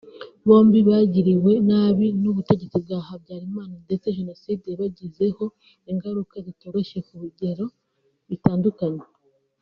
Bombi bagiriwe nabi n’ubutegetsi bwa Habyarimana ndetse Jenoside yabagizeho ingaruka zitoroshye ku bigero bitandukanye